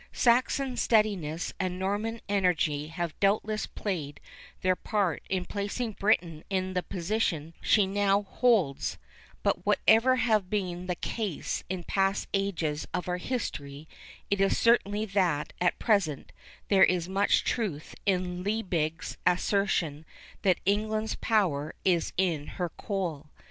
Saxon steadiness and Norman energy have doubtless played their part in placing Britain in the position she now holds; but whatever may have been the case in past ages of our history, it is certain that at present there is much truth in Liebig's assertion that England's power is in her coal.